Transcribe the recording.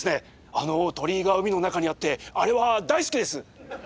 あの鳥居が海の中にあってあれは大好きです！